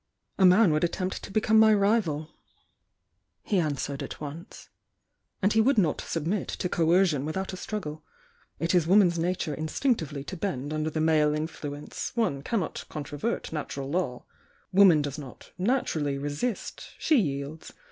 "A man would attempt to become my rival," he answered at once. "And he would not submit to coercion without a struggle. It is woman's nature instinctively to bend under the male influence, — one cannot controvert natural law. Woman does not naturally resist; she yields.